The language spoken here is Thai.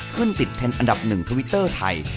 ขึ้นติดเทรนดอันดับ๑ทวิตเตอร์ไทย